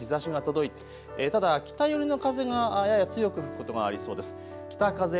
朝、曇っている所も日ざしが届いてただ北寄りの風がやや強く吹くことがありそうです。